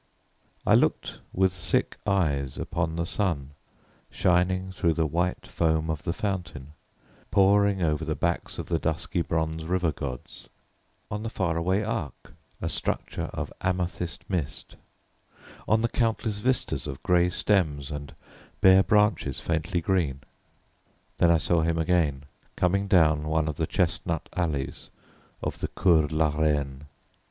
I looked with sick eyes upon the sun, shining through the white foam of the fountain, pouring over the backs of the dusky bronze river gods, on the far away Arc, a structure of amethyst mist, on the countless vistas of grey stems and bare branches faintly green. Then I saw him again coming down one of the chestnut alleys of the Cours la Reine.